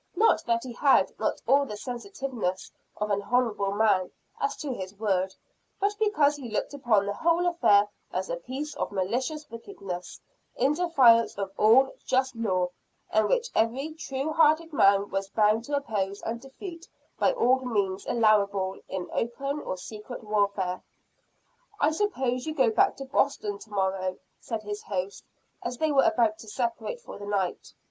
Not that he had not all the sensitiveness of an honorable man as to his word; but because he looked upon the whole affair as a piece of malicious wickedness, in defiance of all just law, and which every true hearted man was bound to oppose and defeat by all means allowable in open or secret warfare. "I suppose you go back to Boston to morrow?" said his host, as they were about to separate for the night.